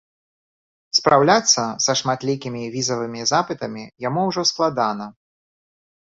Спраўляцца са шматлікімі візавымі запытамі яму ўжо складана.